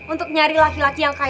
untuk nyari laki laki yang kaya